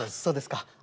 そうですか。